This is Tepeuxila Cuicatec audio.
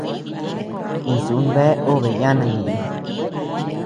Insú bea obe yana ñeʼen.